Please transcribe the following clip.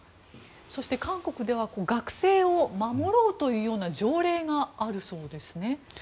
そして、韓国では学生を守ろうというような条例があるそうですね。